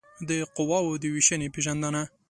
د قواوو د وېشنې پېژندنه